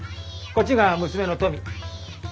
こっちが娘のトミ。